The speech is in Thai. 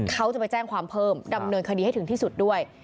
เขาจะไปแจ้งความเพิ่มดำเนินคดีให้ถึงที่สุดด้วย